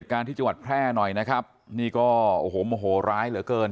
การที่จังหวัดแพร่หน่อยนะครับนี่ก็โอ้โหโมโหร้ายเหลือเกิน